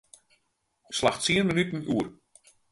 Slach tsien minuten oer.